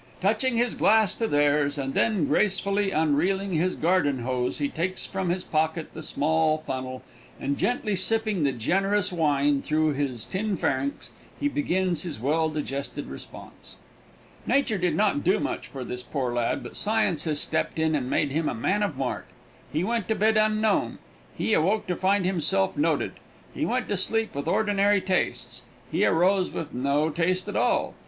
Touching his glass to theirs, and then gracefully unreeling his garden hose, he takes from his pocket the small funnel, and, gently sipping the generous wine through his tin pharynx, he begins his well digested response. Nature did not do much for this poor lad, but science has stepped in and made him a man of mark. He went to bed unknown. He awoke to find himself noted. He went to sleep with ordinary tastes. He arose with no taste at all.